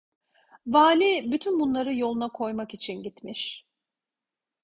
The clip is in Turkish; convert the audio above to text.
Vali bütün bunları yoluna koymak için gitmiş…